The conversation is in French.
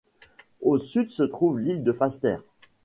Au sud se trouve l'île de Falster.